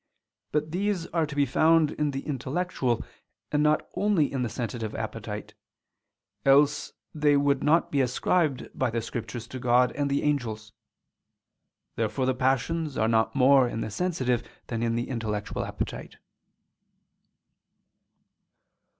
But these are to be found in the intellectual and not only in the sensitive appetite: else they would not be ascribed by the Scriptures to God and the angels. Therefore the passions are not more in the sensitive than in the intellectual appetite.